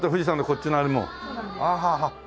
はあはあはあ。